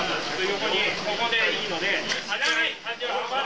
横に、ここでいいので。